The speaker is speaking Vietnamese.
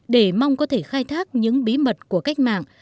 để mong có thể khai thác những bí mật của cách mạng